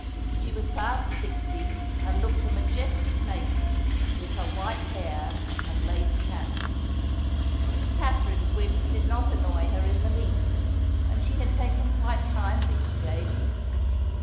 She was past sixty, and looked a majestic matron, with her white hair and lace cap. Katherine's whims did not annoy her in the least, and she had taken quite kindly to Jamie.